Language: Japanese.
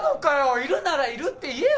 いるならいるって言えよ！